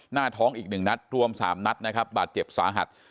หน้าท้องอีก๑นัดรวม๓นัดนะครับบาดเจ็บสาหัส